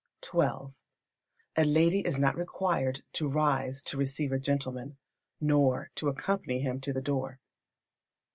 xii. A lady is not required to rise to receive a gentleman, nor to accompany him to the door.